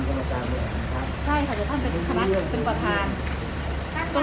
ใช่ค่ะแต่ท่านเป็นคณะเป็นประธาน